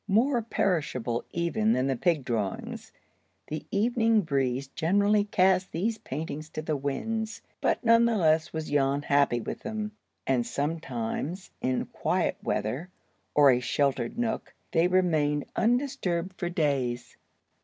More perishable even than the pig drawings, the evening breeze generally cast these paintings to the winds, but none the less was Jan happy with them, and sometimes in quiet weather, or a sheltered nook, they remained undisturbed for days.